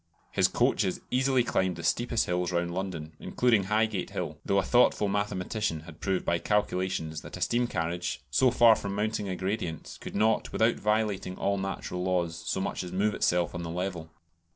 His coaches easily climbed the steepest hills round London, including Highgate Hill, though a thoughtful mathematician had proved by calculations that a steam carriage, so far from mounting a gradient, could not, without violating all natural laws, so much as move itself on the level!